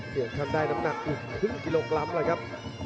เพื่อค้นได้น้ำหนักอีกครึ่งกิโลกรัมครับครับ